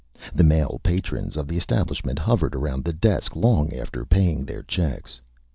The Male Patrons of the Establishment hovered around the Desk long after paying their Checks.